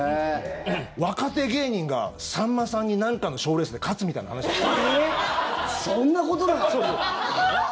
若手芸人が、さんまさんになんかの賞レースで勝つみたいな話ですよ。